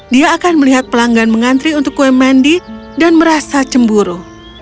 dia akan melihat pelanggan mengantri untuk kue mandi dan merasa cemburu